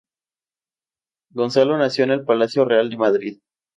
Gonzalo nació en el Palacio Real de Madrid.